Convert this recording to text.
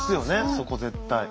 そこ絶対。